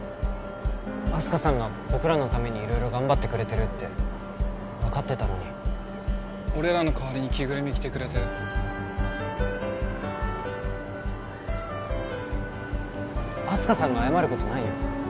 あす花さんが僕らのために色々頑張ってくれてるって分かってたのに俺らの代わりに着ぐるみ着てくれてあす花さんが謝ることないよ